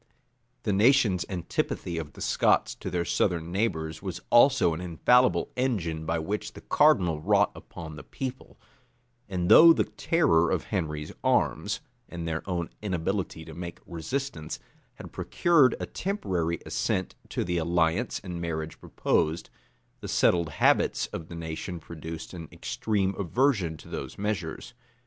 The nations antipathy of the Scots to their southern neighbors was also an infallible engine by which the cardinal wrought upon the people; and though the terror of Henry's arms, and their own inability to make resistance, had procured a temporary assent to the alliance and marriage proposed, the settled habits of the nation produced an extreme aversion to those measures.